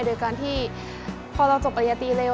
โดยการที่พอเราจบปริญญาตรีเร็ว